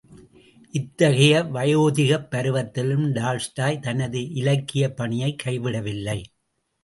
இத்தகைய வயோதிகப் பருவத்திலும், டால்ஸ்டாய் தனது இலக்கியப் பணியைக் கைவிடவில்லை.